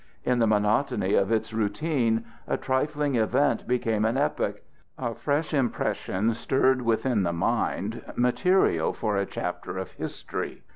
In the monotony of its routine a trifling event became an epoch; a fresh impression stirred within the mind material for a chapter of history.